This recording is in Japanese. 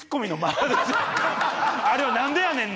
あれは何でやねん！